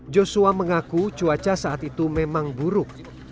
joshua mengaku cuaca saat itu memang buruk